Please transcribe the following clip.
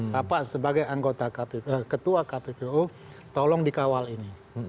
bapak sebagai anggota kpu ketua kpu tolong dikawal ini